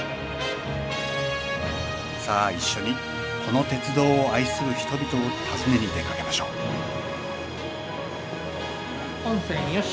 さあ一緒にこの鉄道を愛する人々を訪ねに出かけましょう本線よし！